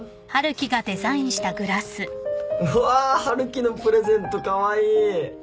うわ春樹のプレゼントカワイイ！